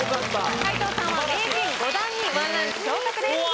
皆藤さんは名人５段に１ランク昇格です。